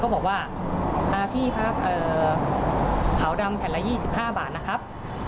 บอกว่าพี่ครับขาวดำแผ่นละ๒๕บาทนะครับ